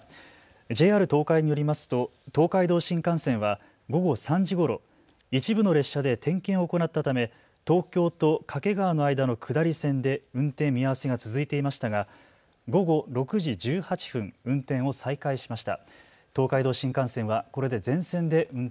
ＪＲ東海によりますと東海道新幹線は午後３時ごろ一部の列車で点検を行ったため東京と掛川の間の下り線で運転見合わせが続いていましたが午後６時１８分運転を再開しました。